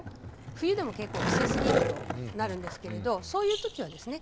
冬でも結構着せすぎるとなるんですけれどそういう時はですね